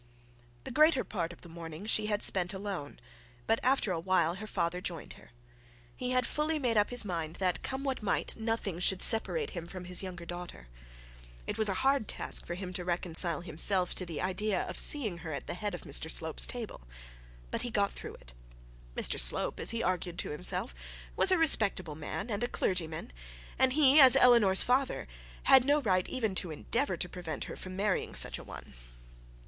The greater part of the morning she had spent alone; but after a while her father joined her. He had fully made up his mind that, come what might, nothing should separate him from his youngest daughter. It was a hard task for him to reconcile himself to the idea of seeing her at the head of Mr Slope's table; but he got through it. Mr Slope, as he argued to himself, was a respectable man and a clergyman; and he, as Eleanor's father, had no right even to endeavour to prevent her from marrying such a one.